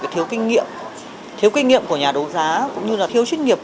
thiếu kinh nghiệm của nhà đấu giá cũng như là thiếu chuyên nghiệp